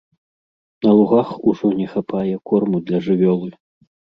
На лугах ужо не хапае корму для жывёлы.